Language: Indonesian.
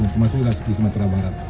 yang termasuk di sumatera barat